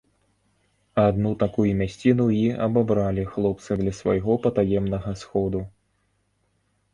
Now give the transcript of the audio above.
Адну такую мясціну і абабралі хлопцы для свайго патаемнага сходу.